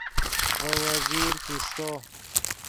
ڤے وزیر کیستو